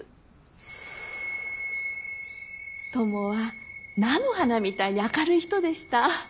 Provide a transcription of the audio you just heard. トモは菜の花みたいに明るい人でした。